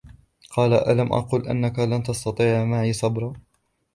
قال ألم أقل إنك لن تستطيع معي صبرا